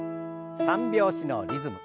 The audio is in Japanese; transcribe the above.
３拍子のリズム。